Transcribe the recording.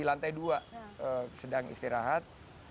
di lantai dua sedang istirahat